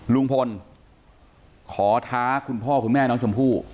ลุงพลขอท้าคุณพ่อคุณแม่น้องชมพู่